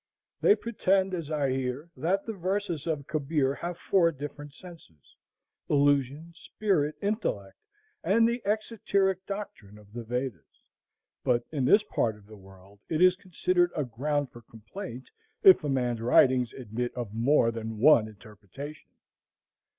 "They pretend," as I hear, "that the verses of Kabir have four different senses; illusion, spirit, intellect, and the exoteric doctrine of the Vedas;" but in this part of the world it is considered a ground for complaint if a man's writings admit of more than one interpretation.